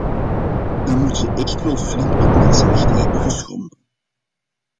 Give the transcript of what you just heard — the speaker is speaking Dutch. Dan moet je echt wel flink wat mensenrechten hebben geschonden.